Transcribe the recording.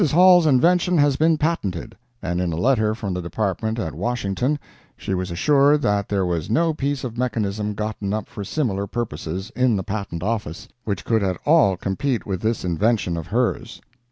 Hall's invention has been patented, and in a letter from the Department at Washington she was assured that there was no piece of mechanism gotten up for similar purposes, in the Patent Office, which could at all compete with this invention of hers.